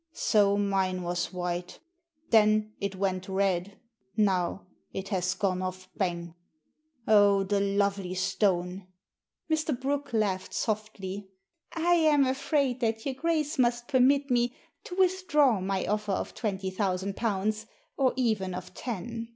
" So mine was white. Then it went red. Now it has gone off bang! Oh, the lovely stone 1 " Mr. Brooke laughed softly. "I am afraid that your Grace must permit me to withdraw my offer of twenty thousand pounds, or even of ten.